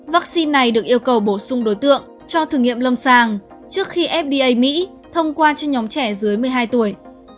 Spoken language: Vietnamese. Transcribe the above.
vaccine này được yêu cầu bổ sung đối tượng cho thử nghiệm lâm sàng trước khi fda mỹ thông qua cho nhóm trẻ dưới một mươi hai tuổi